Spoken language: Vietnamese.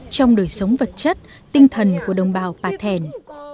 trong đời sống vật chất tinh thần của gia đình